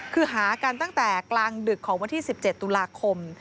คือหากันตั้งแต่กลางดึกของวันที่๑๗ตุลาคม